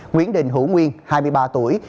nguyễn đình hữu nguyên hai mươi ba tuổi